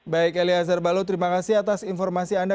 baik elia zerbalo terima kasih atas informasi anda